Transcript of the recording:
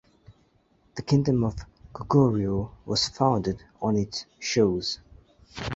The kingdom of Koguryo was founded on its shores.